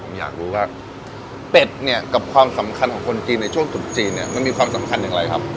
ผมอยากรู้ว่าเป็ดเนี่ยกับความสำคัญของคนจีนในช่วงตุดจีนเนี่ยมันมีความสำคัญอย่างไรครับ